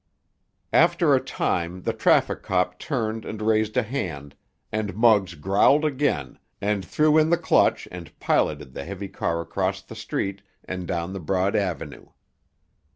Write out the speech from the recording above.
After a time the traffic cop turned and raised a hand, and Muggs growled again and threw in the clutch and piloted the heavy car across the street and down the broad avenue.